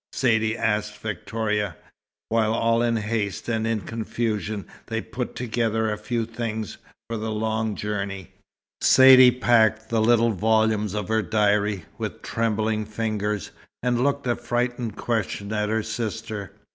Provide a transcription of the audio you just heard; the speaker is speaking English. Saidee asked Victoria, while all in haste and in confusion they put together a few things for the long journey. Saidee packed the little volumes of her diary, with trembling fingers, and looked a frightened question at her sister.